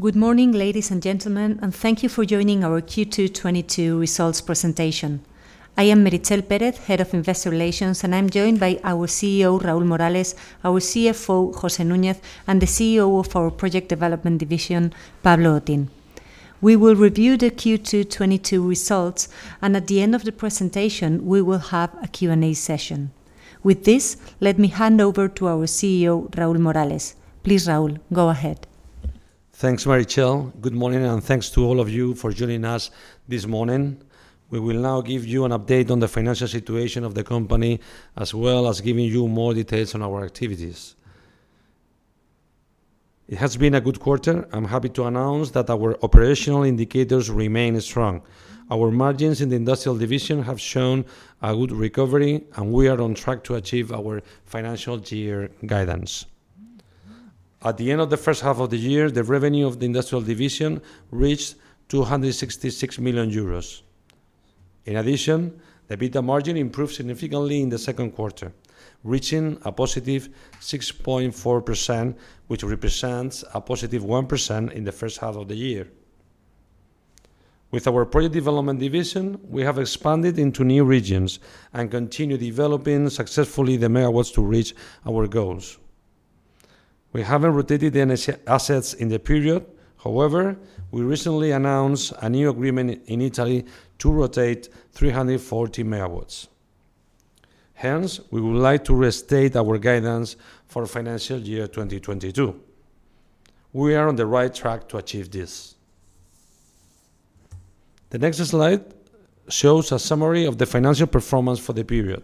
Good morning, ladies and gentlemen, and thank you for joining our Q2 2022 results presentation. I am Meritxell Pérez, head of investor relations, and I'm joined by our CEO, Raúl Morales, our CFO, José Núñez, and the CEO of our Project Development division, Pablo Otín. We will review the Q2 2022 results, and at the end of the presentation, we will have a Q&A session. With this, let me hand over to our CEO, Raúl Morales. Please, Raúl, go ahead. Thanks, Meritxell. Good morning, and thanks to all of you for joining us this morning. We will now give you an update on the financial situation of the company, as well as giving you more details on our activities. It has been a good quarter. I'm happy to announce that our operational indicators remain strong. Our margins in the industrial division have shown a good recovery, and we are on track to achieve our financial year guidance. At the end of the first half of the year, the revenue of the industrial division reached 266 million euros. In addition, the EBITDA margin improved significantly in the second quarter, reaching a positive 6.4%, which represents a positive 1% in the first half of the year. With our project development division, we have expanded into new regions and continue developing successfully the megawatts to reach our goals. We haven't rotated any assets in the period. However, we recently announced a new agreement in Italy to rotate 340 MW. Hence, we would like to restate our guidance for financial year 2022. We are on the right track to achieve this. The next slide shows a summary of the financial performance for the period.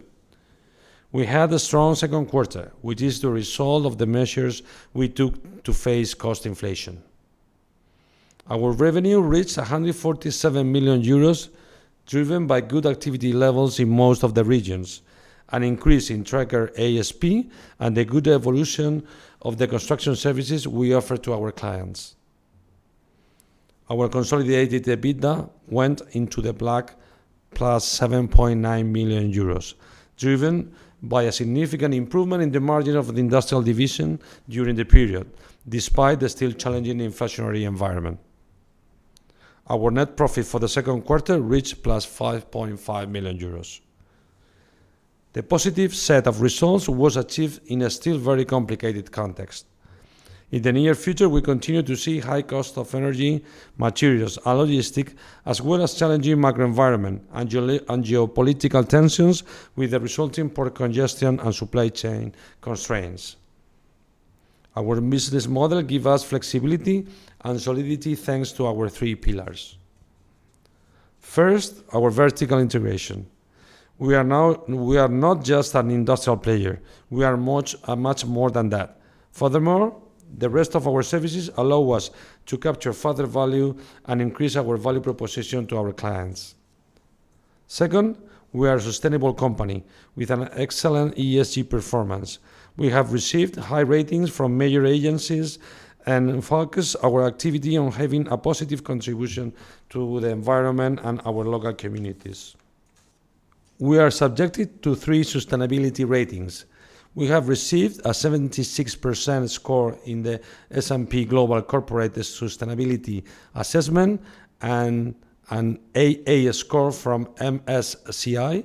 We had a strong second quarter, which is the result of the measures we took to face cost inflation. Our revenue reached 147 million euros, driven by good activity levels in most of the regions, an increase in tracker ASP, and the good evolution of the construction services we offer to our clients. Our consolidated EBITDA went into the black, +7.9 million euros, driven by a significant improvement in the margin of the industrial division during the period, despite the still challenging inflationary environment. Our net profit for the second quarter reached +5.5 million euros. The positive set of results was achieved in a still very complicated context. In the near future, we continue to see high cost of energy, materials, and logistics, as well as challenging macro environment and geopolitical tensions with the resulting port congestion and supply chain constraints. Our business model give us flexibility and solidity thanks to our three pillars. First, our vertical integration. We are not just an industrial player. We are much, much more than that. Furthermore, the rest of our services allow us to capture further value and increase our value proposition to our clients. Second, we are a sustainable company with an excellent ESG performance. We have received high ratings from major agencies and focus our activity on having a positive contribution to the environment and our local communities. We are subjected to three sustainability ratings. We have received a 76% score in the S&P Global Corporate Sustainability Assessment and an AA score from MSCI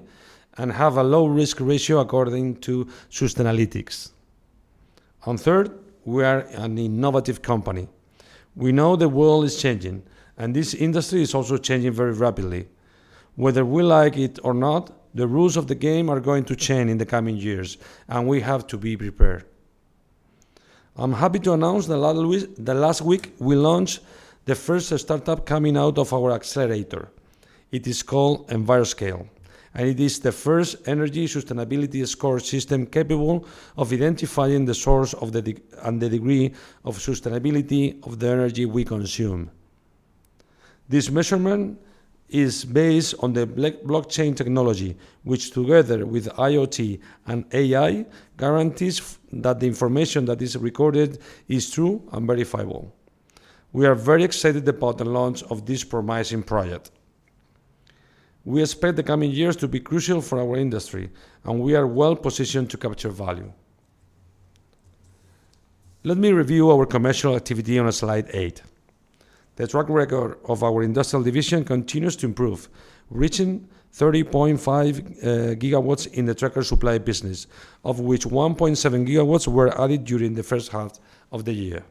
and have a low risk ratio according to Sustainalytics. Third, we are an innovative company. We know the world is changing, and this industry is also changing very rapidly. Whether we like it or not, the rules of the game are going to change in the coming years, and we have to be prepared. I'm happy to announce that last week, we launched the first startup coming out of our accelerator. It is called EnviroScale, and it is the first energy sustainability score system capable of identifying the source and the degree of sustainability of the energy we consume. This measurement is based on the blockchain technology, which, together with IoT and AI, guarantees that the information that is recorded is true and verifiable. We are very excited about the launch of this promising project. We expect the coming years to be crucial for our industry, and we are well-positioned to capture value. Let me review our commercial activity on slide eight. The track record of our industrial division continues to improve, reaching 30.5 gigawatts in the tracker supply business, of which 1.7 gigawatts were added during the first half of the year.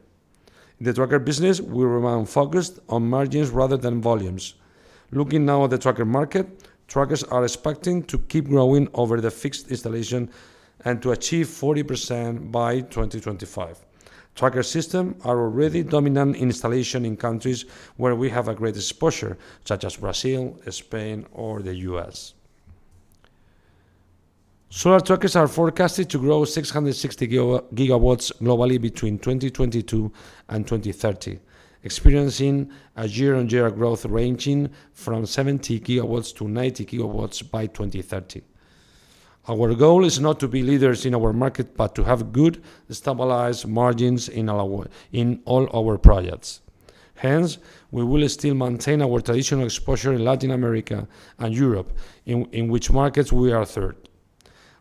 In the tracker business, we remain focused on margins rather than volumes. Looking now at the tracker market, trackers are expecting to keep growing over the fixed installation and to achieve 40% by 2025. Tracker systems are already dominant in installation in countries where we have a great exposure, such as Brazil, Spain, or the U.S. Solar trackers are forecasted to grow 660 gigawatts globally between 2022 and 2030, experiencing a year-over-year growth ranging from 70 gigawatts to 90 gigawatts by 2030. Our goal is not to be leaders in our market, but to have good, stabilized margins in all our projects. Hence, we will still maintain our traditional exposure in Latin America and Europe, in which markets we are third.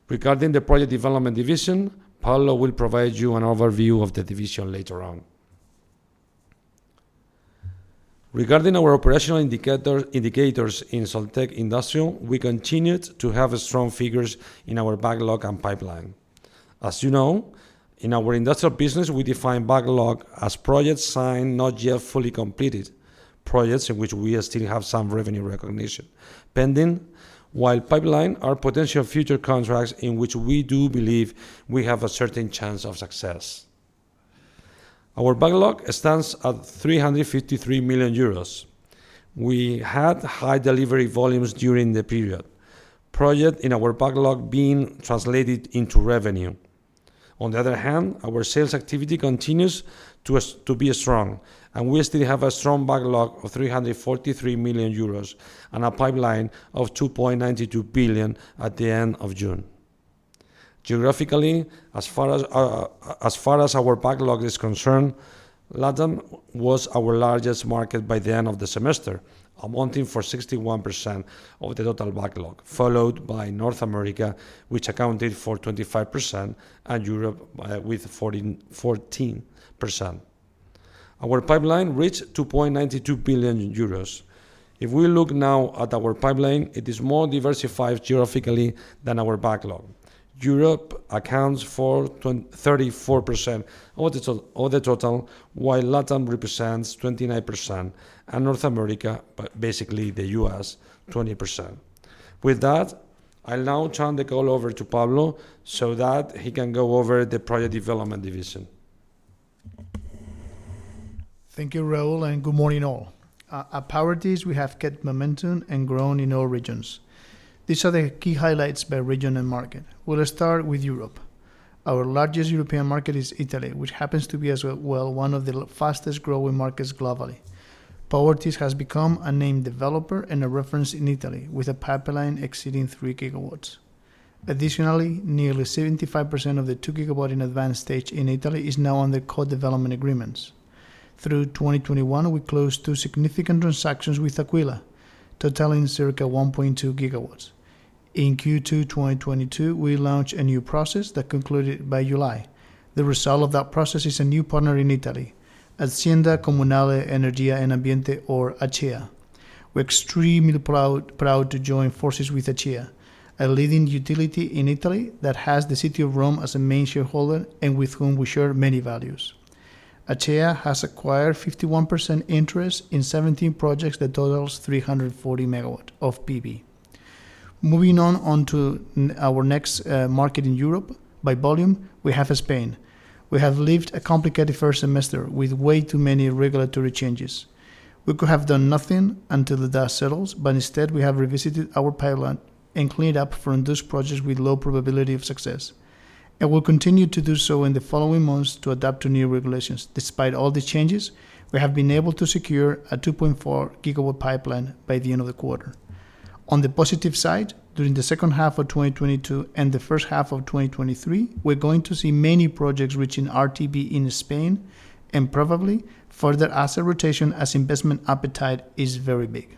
Regarding the project development division, Pablo will provide you an overview of the division later on. Regarding our operational indicators in Soltec Industrial, we continued to have strong figures in our backlog and pipeline. As you know, in our industrial business, we define backlog as projects signed, not yet fully completed, projects in which we still have some revenue recognition pending, while pipeline are potential future contracts in which we do believe we have a certain chance of success. Our backlog stands at 353 million euros. We had high delivery volumes during the period, projects in our backlog being translated into revenue. On the other hand, our sales activity continues to be strong, and we still have a strong backlog of 343 million euros and a pipeline of 2.92 billion at the end of June. Geographically, as far as our backlog is concerned, LATAM was our largest market by the end of the semester, amounting to 61% of the total backlog, followed by North America, which accounted for 25%, and Europe with 14%. Our pipeline reached 2.92 billion euros. If we look now at our pipeline, it is more diversified geographically than our backlog. Europe accounts for 34% of the total, while LATAM represents 29%, and North America, basically the U.S., 20%. With that, I'll now turn the call over to Pablo so that he can go over the project development division. Thank you, Raul, and good morning all. At Powertis, we have kept momentum and grown in all regions. These are the key highlights by region and market. We'll start with Europe. Our largest European market is Italy, which happens to be as well one of the fastest-growing markets globally. Powertis has become a named developer and a reference in Italy, with a pipeline exceeding 3 gigawatts. Additionally, nearly 75% of the 2 gigawatts in advanced stage in Italy is now under co-development agreements. Through 2021, we closed two significant transactions with Aquila, totaling circa 1.2 gigawatts. In Q2 2022, we launched a new process that concluded by July. The result of that process is a new partner in Italy, Azienda Comunale Energia e Ambiente, or ACEA. We're extremely proud to join forces with ACEA, a leading utility in Italy that has the city of Rome as a main shareholder and with whom we share many values. ACEA has acquired 51% interest in 17 projects that total 340 MW of PV. Moving on to our next market in Europe, by volume, we have Spain. We have lived a complicated first semester with way too many regulatory changes. We could have done nothing until the dust settles, but instead we have revisited our pipeline and cleaned up from those projects with low probability of success. We'll continue to do so in the following months to adapt to new regulations. Despite all the changes, we have been able to secure a 2.4 GW pipeline by the end of the quarter. On the positive side, during the second half of 2022 and the first half of 2023, we're going to see many projects reaching RTB in Spain and probably further asset rotation as investment appetite is very big.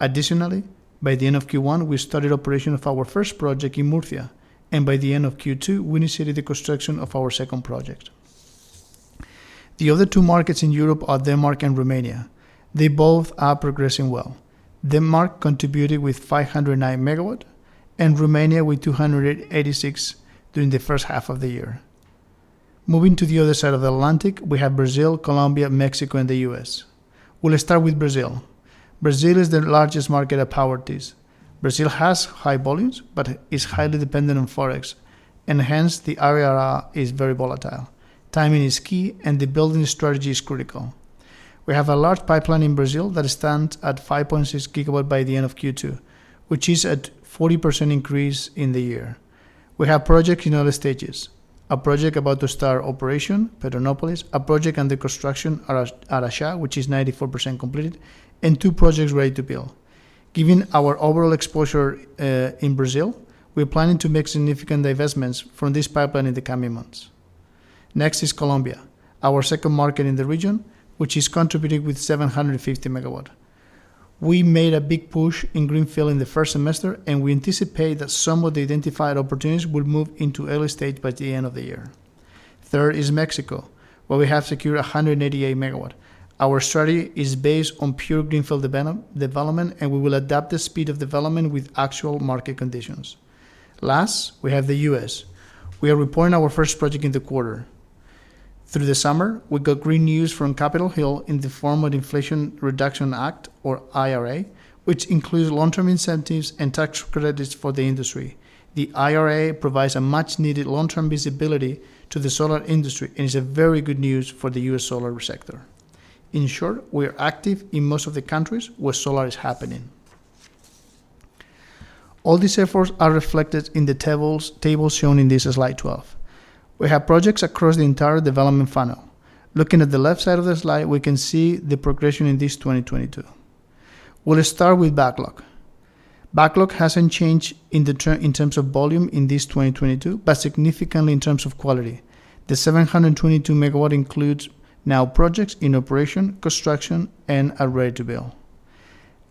Additionally, by the end of Q1, we started operation of our first project in Murcia, and by the end of Q2, we initiated the construction of our second project. The other two markets in Europe are Denmark and Romania. They both are progressing well. Denmark contributed with 509 MW, and Romania with 286 during the first half of the year. Moving to the other side of the Atlantic, we have Brazil, Colombia, Mexico, and the U.S. We'll start with Brazil. Brazil is the largest market at Powertis. Brazil has high volumes, but is highly dependent on Forex, and hence the ARR is very volatile. Timing is key, and the building strategy is critical. We have a large pipeline in Brazil that stands at 5.6 GW by the end of Q2, which is a 40% increase in the year. We have projects in all stages, a project about to start operation, Pedranópolis, a project under construction, Araxá, which is 94% complete, and two projects ready to build. Given our overall exposure in Brazil, we're planning to make significant divestments from this pipeline in the coming months. Next is Colombia, our second market in the region, which is contributing with 750 MW. We made a big push in greenfield in the first semester, and we anticipate that some of the identified opportunities will move into early stage by the end of the year. Third is Mexico, where we have secured 188 MW. Our strategy is based on pure greenfield development, and we will adapt the speed of development with actual market conditions. Last, we have the U.S. We are reporting our first project in the quarter. Through the summer, we got green news from Capitol Hill in the form of Inflation Reduction Act, or IRA, which includes long-term incentives and tax credits for the industry. The IRA provides a much-needed long-term visibility to the solar industry and is a very good news for the U.S. solar sector. In short, we are active in most of the countries where solar is happening. All these efforts are reflected in the tables, table shown in this slide 12. We have projects across the entire development funnel. Looking at the left side of the slide, we can see the progression in this 2022. We'll start with backlog. Backlog hasn't changed in terms of volume in 2022, but significantly in terms of quality. The 722 MW includes now projects in operation, construction, and are ready to build.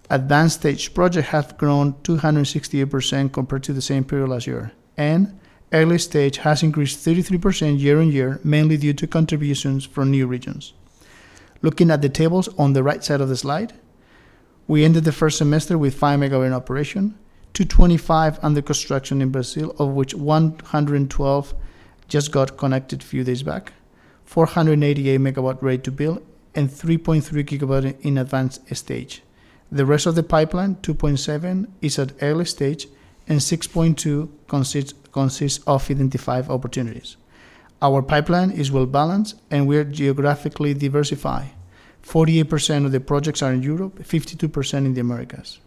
Advanced stage project have grown 268% compared to the same period last year, and early stage has increased 33% year-on-year, mainly due to contributions from new regions. Looking at the tables on the right side of the slide, we ended the first semester with 5 MW in operation, 225 MW under construction in Brazil, of which 112 just got connected few days back, 488 MW ready to build, and 3.3 GW in advanced stage. The rest of the pipeline, 2.7, is at early stage, and 6.2 consists of identified opportunities. Our pipeline is well-balanced, and we are geographically diversified. 48% of the projects are in Europe, 52% in the Americas.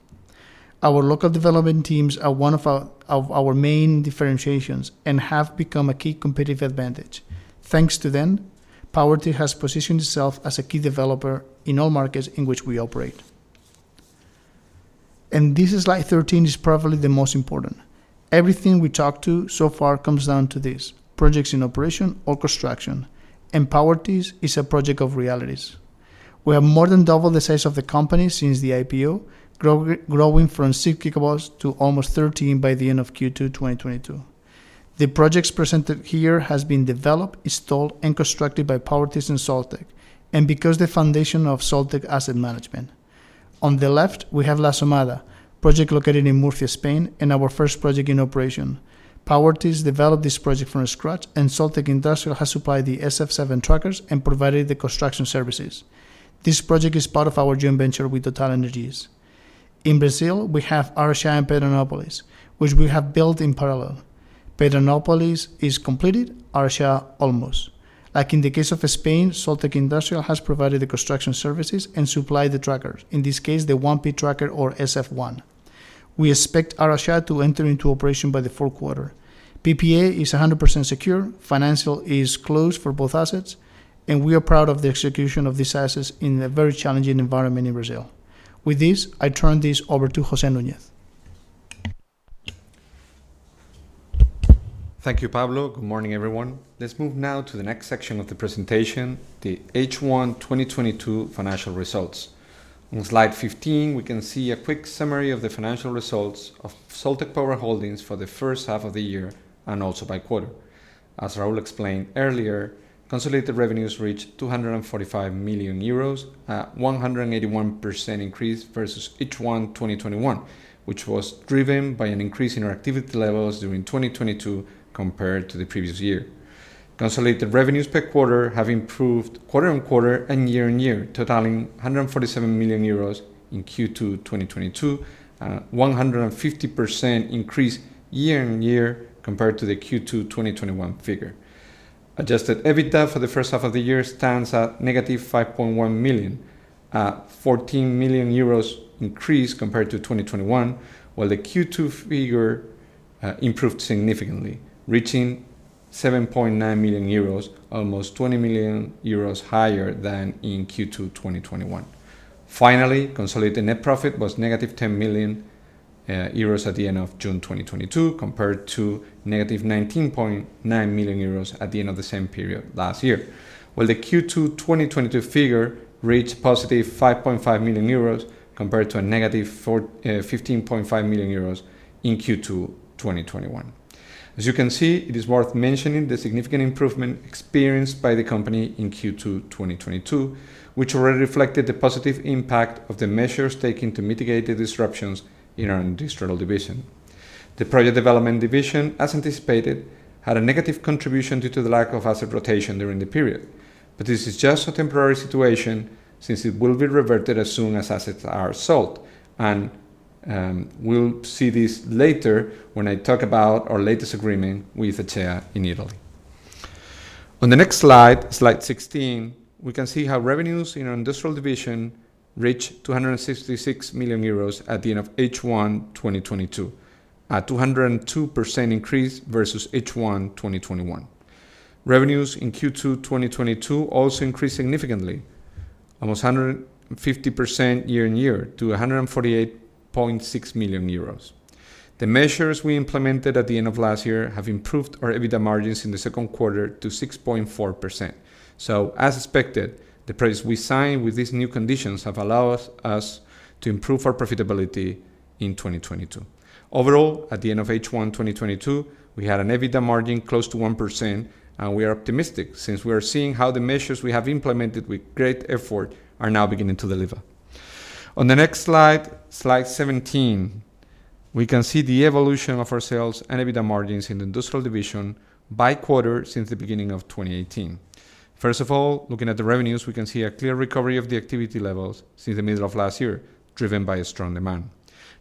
Our local development teams are one of our main differentiations and have become a key competitive advantage. Thanks to them, Powertis has positioned itself as a key developer in all markets in which we operate. This is slide thirteen, is probably the most important. Everything we talked about so far comes down to this, projects in operation or construction, and Powertis's portfolio of RTBs. We have more than doubled the size of the company since the IPO, growing from 6 GW to almost 13 by the end of Q2 2022. The projects presented here has been developed, installed, and constructed by Powertis and Soltec, and form the foundation of Soltec Asset Management. On the left, we have La Asomada, project located in Murcia, Spain, and our first project in operation. Powertis developed this project from scratch, and Soltec Industrial has supplied the SF7 trackers and provided the construction services. This project is part of our joint venture with TotalEnergies. In Brazil, we have Araxá and Pedranópolis, which we have built in parallel. Pedranópolis is completed. Araxá almost. Like in the case of Spain, Soltec Industrial has provided the construction services and supplied the tracker. In this case, the 1P tracker or SF1. We expect Araxá to enter into operation by the fourth quarter. PPA is 100% secure, financing is closed for both assets, and we are proud of the execution of these assets in a very challenging environment in Brazil. With this, I turn this over to José Núñez. Thank you, Pablo. Good morning, everyone. Let's move now to the next section of the presentation, the H1 2022 financial results. On slide 15, we can see a quick summary of the financial results of Soltec Power Holdings for the first half of the year and also by quarter. As Raúl explained earlier, consolidated revenues reached 245 million euros, a 181% increase versus H1 2021, which was driven by an increase in our activity levels during 2022 compared to the previous year. Consolidated revenues per quarter have improved quarter-on-quarter and year-on-year, totaling 147 million euros in Q2 2022, and a 150% increase year-on-year compared to the Q2 2021 figure. Adjusted EBITDA for the first half of the year stands at negative 5.1 million, a 14 million euros increase compared to 2021, while the Q2 figure improved significantly, reaching 7.9 million euros, almost 20 million euros higher than in Q2 2021. Finally, consolidated net profit was negative 10 million euros at the end of June 2022, compared to negative 19.9 million euros at the end of the same period last year, while the Q2 2022 figure reached positive 5.5 million euros compared to a negative 15.5 million euros in Q2 2021. As you can see, it is worth mentioning the significant improvement experienced by the company in Q2 2022, which already reflected the positive impact of the measures taken to mitigate the disruptions in our Industrial Division. The Project Development division, as anticipated, had a negative contribution due to the lack of asset rotation during the period. This is just a temporary situation since it will be reverted as soon as assets are sold, and we'll see this later when I talk about our latest agreement with ACEA in Italy. On the next slide 16, we can see how revenues in our Industrial division reached 266 million euros at the end of H1 2022 at 202% increase versus H1 2021. Revenues in Q2 2022 also increased significantly, almost 150% year-on-year to 148.6 million euros. The measures we implemented at the end of last year have improved our EBITDA margins in the second quarter to 6.4%. As expected, the price we signed with these new conditions have allowed us to improve our profitability in 2022. Overall, at the end of H1 2022, we had an EBITDA margin close to 1%, and we are optimistic since we are seeing how the measures we have implemented with great effort are now beginning to deliver. On the next slide 17, we can see the evolution of our sales and EBITDA margins in Industrial Division by quarter since the beginning of 2018. First of all, looking at the revenues, we can see a clear recovery of the activity levels since the middle of last year, driven by a strong demand.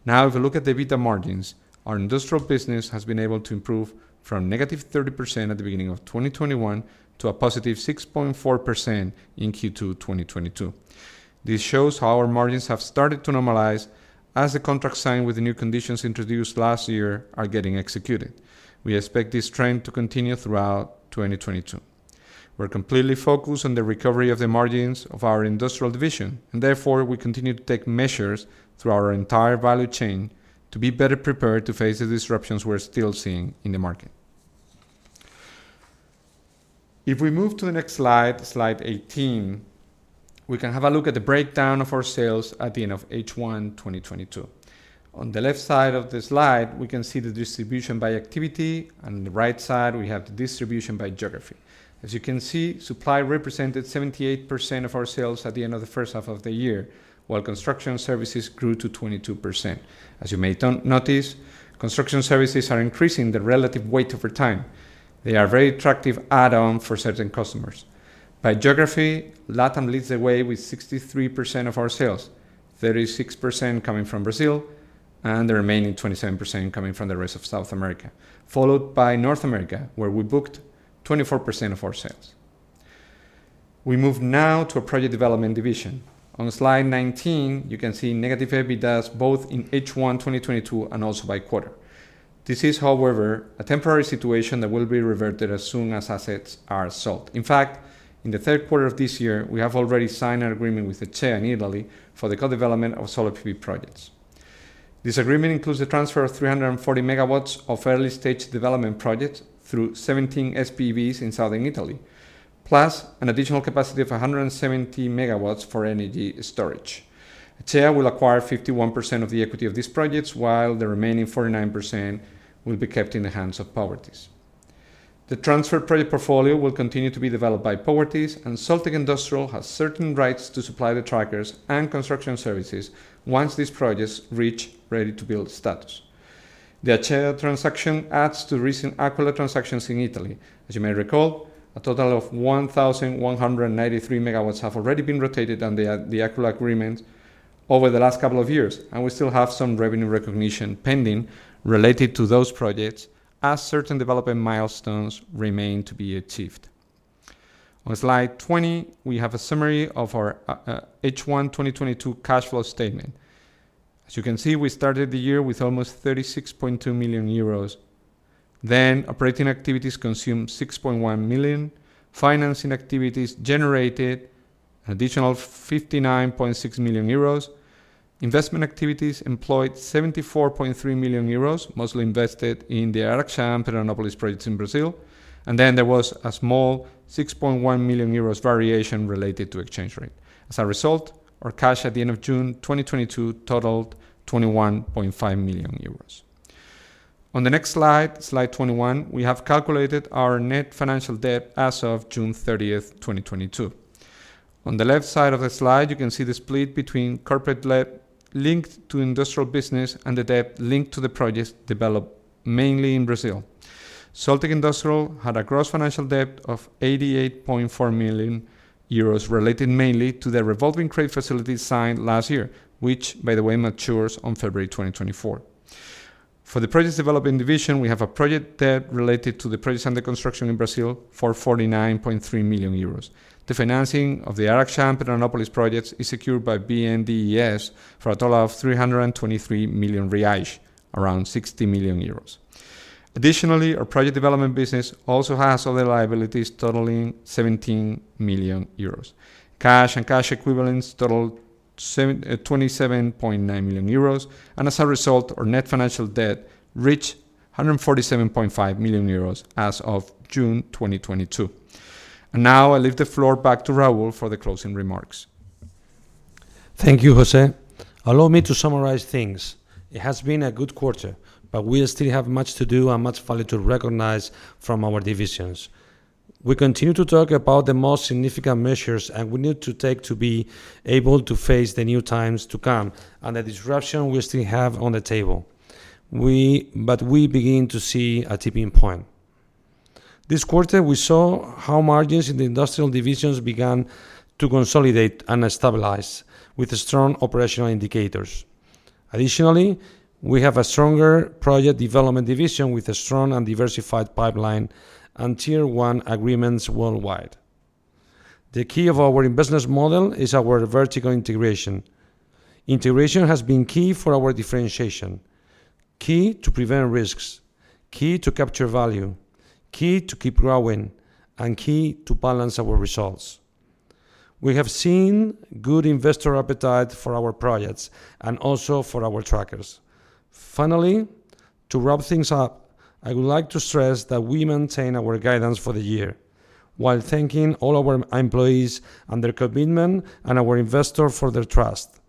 Now, if you look at the EBITDA margins, our Industrial business has been able to improve from negative 30% at the beginning of 2021 to a positive 6.4% in Q2 2022. This shows how our margins have started to normalize as the contracts signed with the new conditions introduced last year are getting executed. We expect this trend to continue throughout 2022. We're completely focused on the recovery of the margins of our Industrial division, and therefore, we continue to take measures through our entire value chain to be better prepared to face the disruptions we're still seeing in the market. If we move to the next slide 18, we can have a look at the breakdown of our sales at the end of H1 2022. On the left side of the slide, we can see the distribution by activity, and on the right side, we have the distribution by geography. As you can see, supply represented 78% of our sales at the end of the first half of the year, while construction services grew to 22%. As you notice, construction services are increasing the relative weight over time. They are very attractive add-on for certain customers. By geography, LATAM leads the way with 63% of our sales, 36% coming from Brazil, and the remaining 27% coming from the rest of South America, followed by North America, where we booked 24% of our sales. We move now to our project development division. On slide 19, you can see negative EBITDA both in H1 2022 and also by quarter. This is, however, a temporary situation that will be reverted as soon as assets are sold. In fact, in the third quarter of this year, we have already signed an agreement with ACEA in Italy for the co-development of solar PV projects. This agreement includes the transfer of 340 MW of early-stage development projects through 17 SPVs in Southern Italy, plus an additional capacity of 170 MW for energy storage. ACEA will acquire 51% of the equity of these projects, while the remaining 49% will be kept in the hands of Powertis. The transfer project portfolio will continue to be developed by Powertis, and Soltec Industrial has certain rights to supply the trackers and construction services once these projects reach ready-to-build status. The ACEA transaction adds to recent Aquila transactions in Italy. As you may recall, a total of 1,193 MW have already been rotated under the Aquila agreement over the last couple of years, and we still have some revenue recognition pending related to those projects as certain development milestones remain to be achieved. On slide 20, we have a summary of our H1 2022 cash flow statement. As you can see, we started the year with almost 36.2 million euros. Operating activities consumed 6.1 million. Financing activities generated an additional 59.6 million euros. Investment activities employed 74.3 million euros, mostly invested in the Araxá and Pedranópolis projects in Brazil. There was a small 6.1 million euros variation related to exchange rate. As a result, our cash at the end of June 2022 totaled 21.5 million euros. On the next slide 21, we have calculated our net financial debt as of June 30, 2022. On the left side of the slide, you can see the split between corporate debt linked to industrial business and the debt linked to the projects developed mainly in Brazil. Soltec Industrial had a gross financial debt of 88.4 million euros related mainly to the revolving credit facility signed last year, which by the way matures on February 2024. For the Project Development division, we have a project debt related to the projects under construction in Brazil for 49.3 million euros. The financing of the Araxá and Pedranópolis projects is secured by BNDES for a total of 323 million reais, around 60 million euros. Additionally, our Project Development business also has other liabilities totaling 17 million euros. Cash and cash equivalents totaled twenty-seven point nine million euros, and as a result, our net financial debt reached 147.5 million euros as of June 2022. Now I leave the floor back to Raúl for the closing remarks. Thank you, José. Allow me to summarize things. It has been a good quarter, but we still have much to do and much value to recognize from our divisions. We continue to talk about the most significant measures, and we need to take to be able to face the new times to come and the disruption we still have on the table. We begin to see a tipping point. This quarter, we saw how margins in the Industrial divisions began to consolidate and stabilize with strong operational indicators. Additionally, we have a stronger Project Development division with a strong and diversified pipeline and tier-one agreements worldwide. The key of our business model is our vertical integration. Integration has been key for our differentiation, key to prevent risks, key to capture value, key to keep growing, and key to balance our results. We have seen good investor appetite for our projects and also for our trackers. Finally, to wrap things up, I would like to stress that we maintain our guidance for the year while thanking all our employees for their commitment and our investors for their trust,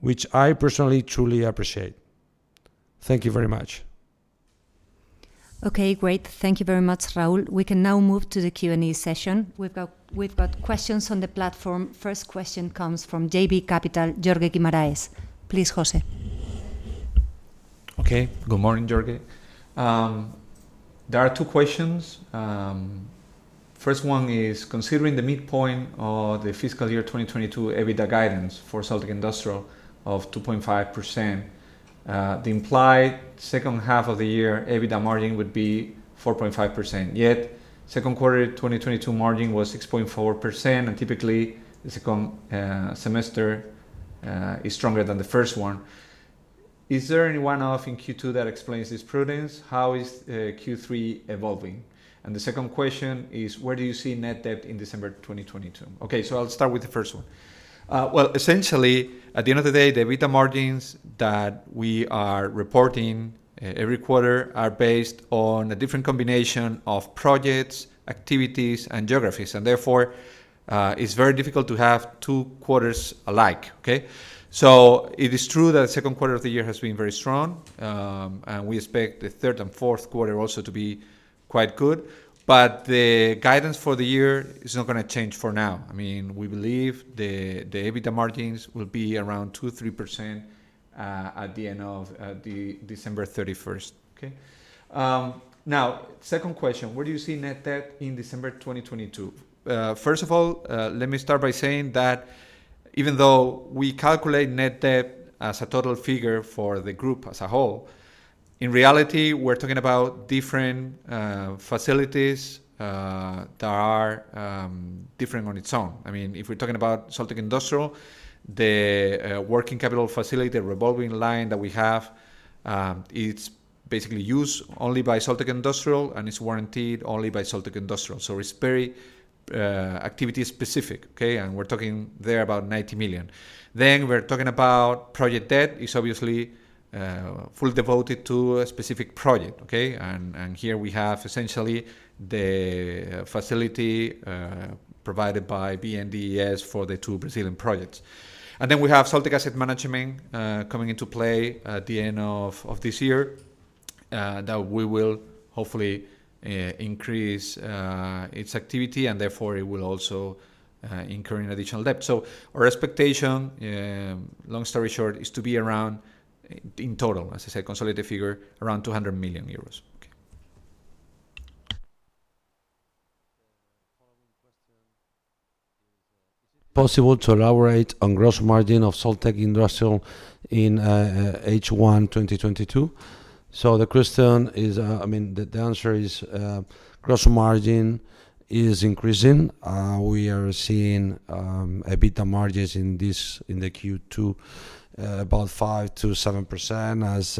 which I personally truly appreciate. Thank you very much. Okay. Great. Thank you very much, Raúl. We can now move to the Q&A session. We've got questions on the platform. First question comes from JB Capital Markets, Jorge Guimarães. Please, José. Good morning, Jorge. There are two questions. First one is, considering the midpoint of the fiscal year 2022 EBITDA guidance for Soltec Industrial of 2.5%, the implied second half of the year EBITDA margin would be 4.5%. Yet, second quarter 2022 margin was 6.4%, and typically, the second semester is stronger than the first one. Is there any one-off in Q2 that explains this prudence? How is Q3 evolving? The second question is, where do you see net debt in December 2022? Okay, I'll start with the first one. Well, essentially, at the end of the day, the EBITDA margins that we are reporting every quarter are based on a different combination of projects, activities, and geographies, and therefore, it's very difficult to have two quarters alike. Okay? It is true that second quarter of the year has been very strong, and we expect the third and fourth quarter also to be quite good, but the guidance for the year is not gonna change for now. I mean, we believe the EBITDA margins will be around 2%-3%, at the end of the December 31, 2022. Okay? Now, second question: Where do you see net debt in December 2022? First of all, let me start by saying that even though we calculate net debt as a total figure for the group as a whole, in reality, we're talking about different facilities that are different on its own. I mean, if we're talking about Soltec Industrial, the working capital facility, the revolving line that we have, it's basically used only by Soltec Industrial, and it's guaranteed only by Soltec Industrial, so it's very activity specific. Okay? We're talking there about 90 million. Then we're talking about project debt. It's obviously fully devoted to a specific project. Okay? Here we have essentially the facility provided by BNDES for the two Brazilian projects. We have Soltec Asset Management coming into play at the end of this year that we will hopefully increase its activity, and therefore it will also incur additional debt. Our expectation, long story short, is to be around in total, as I said, consolidated figure, around 200 million euros. Okay. The following question is it possible to elaborate on gross margin of Soltec Industrial in H1 2022? The question is I mean, the answer is gross margin is increasing. We are seeing EBITDA margins in the Q2 about 5%-7% as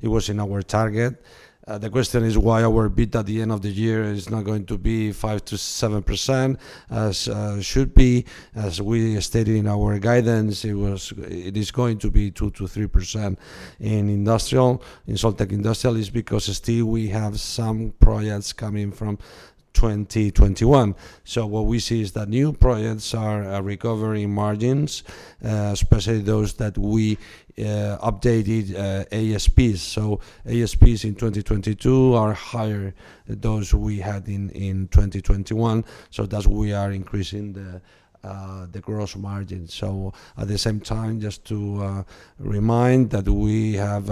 it was in our target. The question is why our EBITDA at the end of the year is not going to be 5%-7% as should be. As we stated in our guidance, it is going to be 2%-3% in Industrial. In Soltec Industrial, it's because still we have some projects coming from 2021. What we see is that new projects are recovering margins especially those that we updated ASPs. ASPs in 2022 are higher than those we had in 2021, thus we are increasing the gross margin. At the same time, just to remind that we have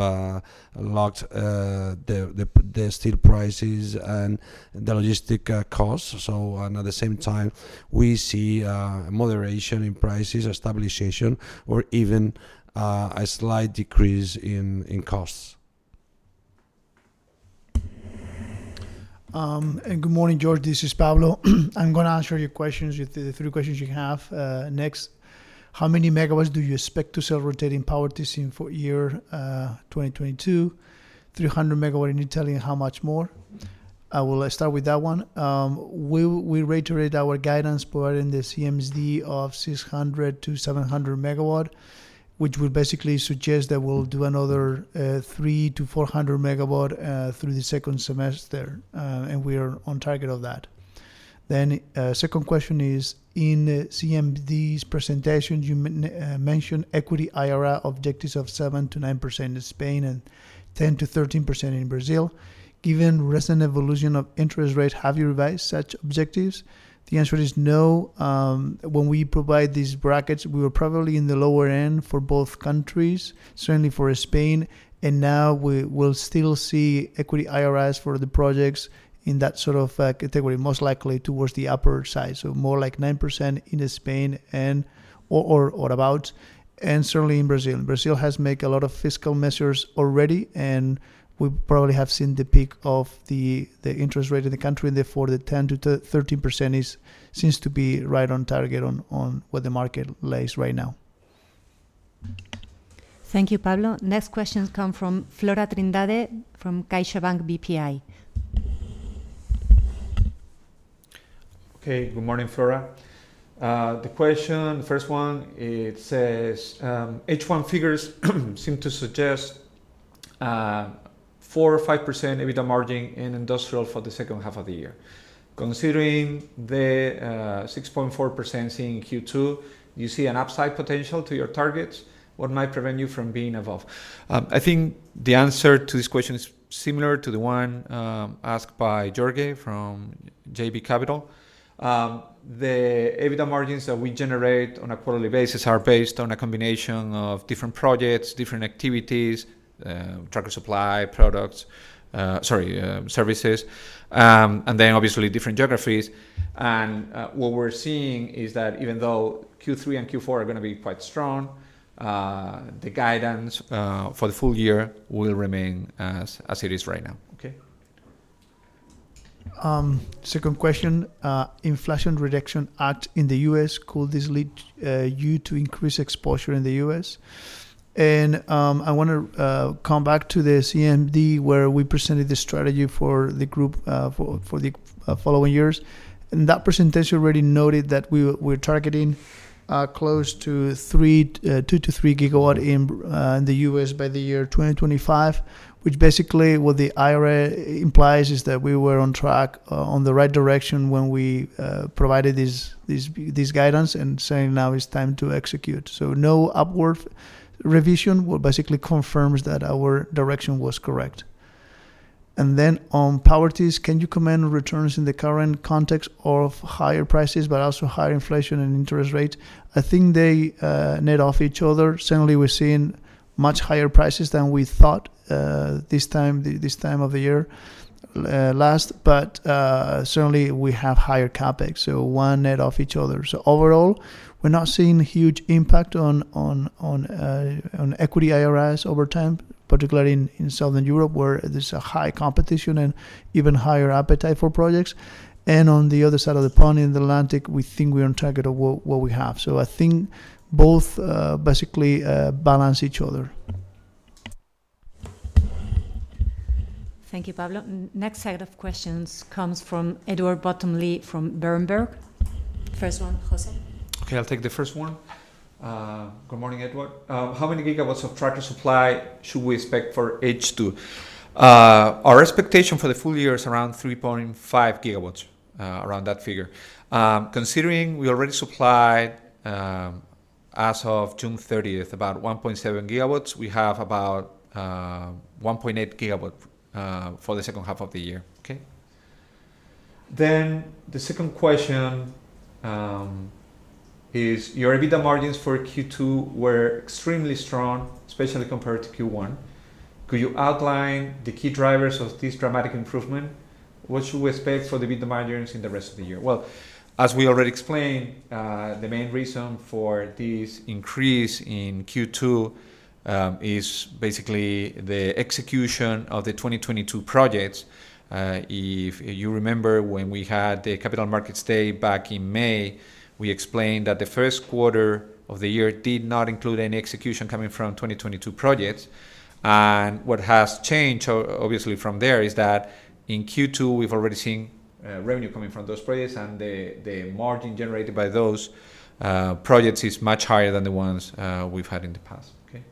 locked the steel prices and the logistics costs. At the same time, we see moderation in prices, stabilization or even a slight decrease in costs. Good morning, Jorge. This is Pablo. I'm gonna answer your questions, the three questions you have. Next, how many megawatts do you expect to sell rotating power this year 2022? 300 MW, and you tell me how much more. I will start with that one. We reiterate our guidance provided in the CMD of 600-700 MW, which would basically suggest that we'll do another 300-400 MW through the second semester, and we are on target of that. Second question is, in CMD's presentation, you mentioned equity IRR objectives of 7%-9% in Spain and 10%-13% in Brazil. Given recent evolution of interest rates, have you revised such objectives? The answer is no. When we provide these brackets, we were probably in the lower end for both countries, certainly for Spain, and now we will still see equity IRRs for the projects in that sort of category, most likely towards the upper side. More like 9% in Spain and certainly in Brazil. Brazil has made a lot of fiscal measures already, and we probably have seen the peak of the interest rate in the country, and therefore the 10%-13% seems to be right on target on where the market lies right now. Thank you, Pablo. Next questions come from Flora Trindade from CaixaBank BPI. Okay. Good morning, Flora. The question, the first one, it says, H1 figures seem to suggest, 4% or 5% EBITDA margin in Industrial for the second half of the year. Considering the 6.4% Seen in Q2, do you see an upside potential to your targets? What might prevent you from being above? I think the answer to this question is similar to the one asked by Jorge from JB Capital Markets. The EBITDA margins that we generate on a quarterly basis are based on a combination of different projects, different activities, tracker supply, products, sorry, services, and then obviously different geographies. What we're seeing is that even though Q3 and Q4 are gonna be quite strong, the guidance for the full year will remain as it is right now. Okay. Second question. Inflation Reduction Act in the US, could this lead you to increase exposure in the US? I wanna come back to the CMD, where we presented the strategy for the group for the following years. In that presentation, already noted that we're targeting close to 2-3 GW in the US by the year 2025, which basically, what the IRA implies is that we were on track on the right direction when we provided these guidance and saying now is time to execute. Well, basically confirms that our direction was correct. Then on Powertis, can you comment on returns in the current context of higher prices, but also higher inflation and interest rate? I think they net off each other. Certainly, we're seeing much higher prices than we thought, this time of the year last. Certainly we have higher CapEx, so one nets off each other. Overall, we're not seeing huge impact on equity IRRs over time, particularly in Southern Europe, where there's high competition and even higher appetite for projects. On the other side of the pond, in the Atlantic, we think we're on target of what we have. I think both basically balance each other. Thank you, Pablo. Next set of questions comes from Edward Bottomley from Berenberg. First one, José. Okay, I'll take the first one. Good morning, Edward. How many gigawatts of tracker supply should we expect for H2? Our expectation for the full year is around 3.5 gigawatts, around that figure. Considering we already supplied, as of June 30, about 1.7 gigawatts, we have about 1.8 gigawatt for the second half of the year. Okay? The second question is your EBITDA margins for Q2 were extremely strong, especially compared to Q1. Could you outline the key drivers of this dramatic improvement? What should we expect for the EBITDA margins in the rest of the year? Well, as we already explained, the main reason for this increase in Q2 is basically the execution of the 2022 projects. If you remember when we had the Capital Markets Day back in May, we explained that the first quarter of the year did not include any execution coming from 2022 projects. What has changed obviously from there is that in Q2, we've already seen revenue coming from those projects, and the margin generated by those projects is much higher than the ones we've had in the past. Okay?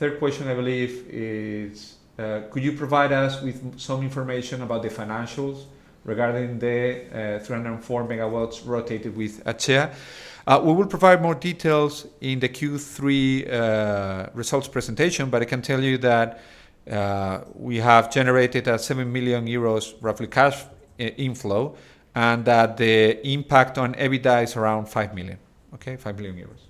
Third question, I believe, is could you provide us with some information about the financials regarding the 304 MW rotated with ACEA? We will provide more details in the Q3 results presentation, but I can tell you that we have generated roughly 7 million euros cash inflow, and that the impact on EBITDA is around 5 million, okay? 5 million euros.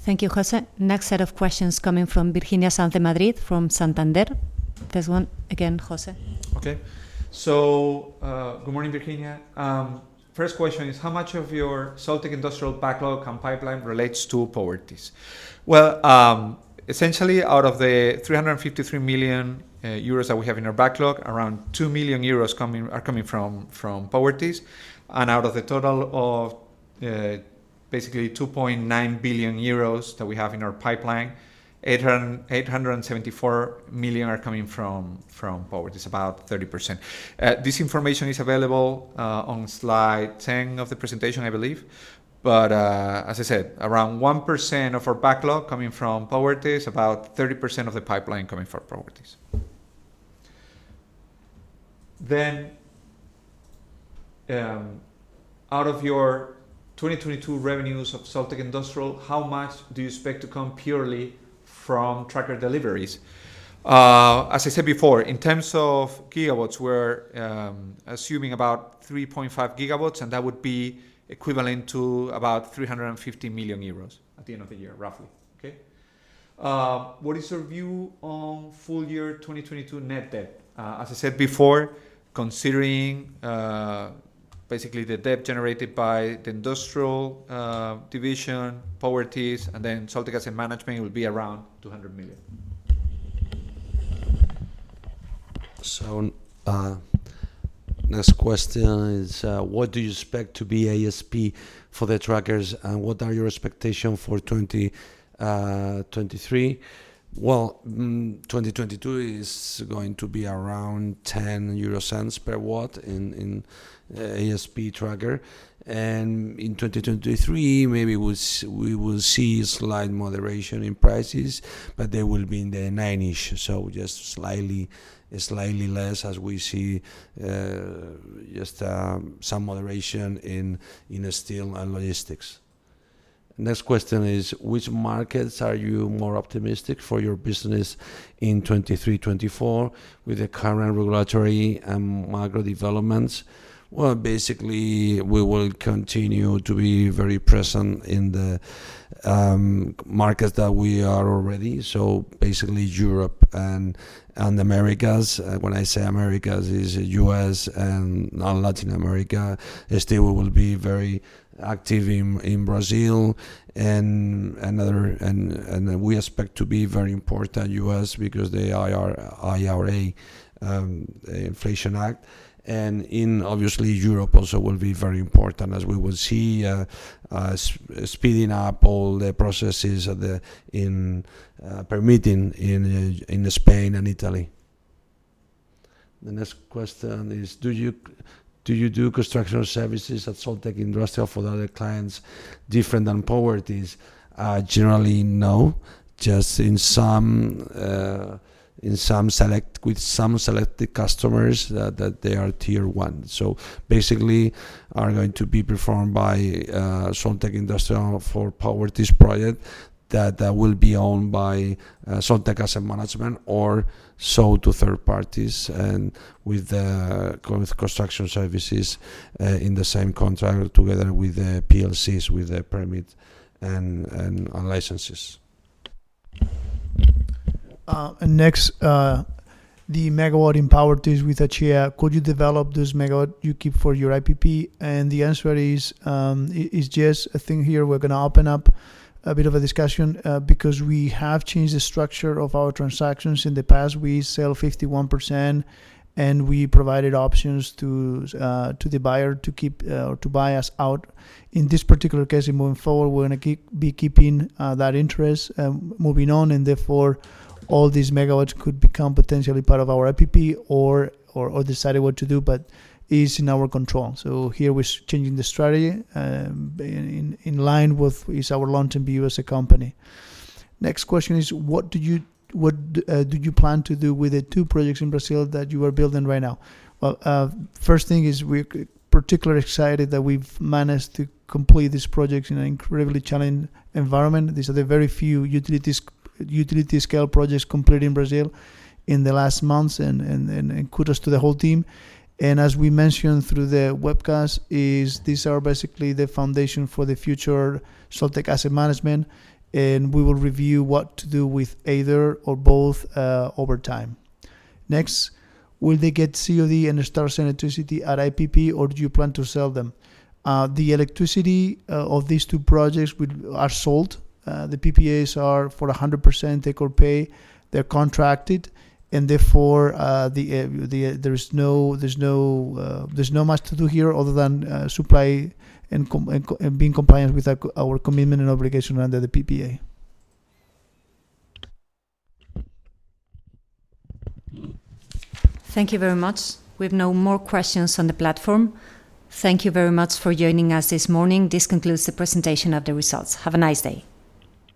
Thank you, José. Next set of questions coming from Virginia Sanz de Madrid from Santander. First one, again, José. Good morning, Virginia. First question is, how much of your Soltec Industrial backlog and pipeline relates to Powertis? Well, essentially, out of the 353 million euros that we have in our backlog, around 2 million euros are coming from Powertis. Out of the total of basically 2.9 billion euros that we have in our pipeline, 874 million are coming from Powertis. It's about 30%. This information is available on slide 10 of the presentation, I believe. As I said, around 1% of our backlog coming from Powertis, about 30% of the pipeline coming from Powertis. Out of your 2022 revenues of Soltec Industrial, how much do you expect to come purely from tracker deliveries? As I said before, in terms of gigawatts, we're assuming about 3.5 gigawatts, and that would be equivalent to about 350 million euros at the end of the year, roughly, okay? What is your view on full year 2022 net debt? As I said before, considering basically the debt generated by the industrial division, Powertis, and then Soltec asset management will be around 200 million. Next question is, what do you expect to be ASP for the trackers, and what are your expectation for 2023? Well, 2022 is going to be around 0.10 per watt in ASP tracker. And in 2023, maybe we will see slight moderation in prices, but they will be in the 0.09-ish, so just slightly less as we see some moderation in the steel and logistics. Next question is, which markets are you more optimistic for your business in 2023, 2024 with the current regulatory and macro developments? Well, basically, we will continue to be very present in the markets that we are already. Basically Europe and the Americas. When I say Americas, is US and Latin America. Soltec will be very active in Brazil and other and we expect to be very important US because the IRA, Inflation Act. In obviously Europe also will be very important as we will see speeding up all the processes of permitting in Spain and Italy. The next question is, do you do construction services at Soltec Industrial for other clients different than Powertis? Generally, no. Just with some selected customers that they are tier one. Basically are going to be performed by Soltec Industrial for Powertis project that will be owned by Soltec Asset Management or sold to third parties and with the construction services in the same contract together with the EPCs, with the permit and licenses. The megawatts in Powertis with ACEA, could you develop these megawatts you keep for your IPP? The answer is, it's just a thing here we're gonna open up a bit of a discussion, because we have changed the structure of our transactions. In the past, we sell 51%, and we provided options to the buyer to keep or to buy us out. In this particular case, moving forward, we're gonna be keeping that interest moving on, and therefore, all these megawatts could become potentially part of our IPP or decide what to do, but it's in our control. Here we're changing the strategy in line with our long-term view as a company. Next question is, what do you plan to do with the two projects in Brazil that you are building right now? Well, first thing is we're particularly excited that we've managed to complete these projects in an incredibly challenging environment. These are the very few utility scale projects completed in Brazil in the last months and kudos to the whole team. As we mentioned through the webcast, these are basically the foundation for the future Soltec Asset Management, and we will review what to do with either or both over time. Next, will they get COD and start selling electricity at IPP, or do you plan to sell them? The electricity of these two projects are sold. The PPAs are for 100% take or pay. They're contracted, and therefore, there's not much to do here other than supply and being compliant with our commitment and obligation under the PPA. Thank you very much. We've no more questions on the platform. Thank you very much for joining us this morning. This concludes the presentation of the results. Have a nice day.